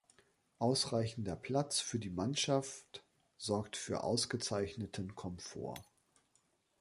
Ausreichender Platz für die Mannschaft sorgt für ausgezeichneten Komfort.